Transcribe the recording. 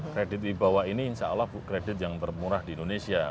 kredit di bawah ini insya allah kredit yang termurah di indonesia